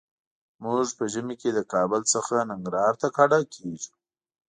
موږ په ژمي کې له کابل څخه ننګرهار ته کډه کيږو.